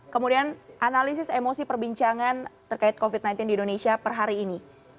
kemudian analisis emosi perbincangan terkait covid sembilan belas di indonesia per hari ini